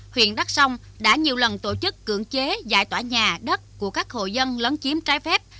huyện đắk sông đã nhiều lần tổ chức cưỡng chế giải tỏa nhà đất của các hộ dân lấn chiếm trái phép